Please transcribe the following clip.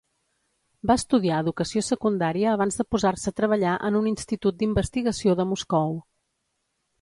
Va estudiar Educació Secundària abans de posar-se a treballar en un institut d'investigació de Moscou.